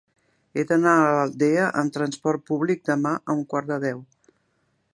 He d'anar a l'Aldea amb trasport públic demà a un quart de deu.